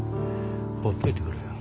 ほっといてくれよ。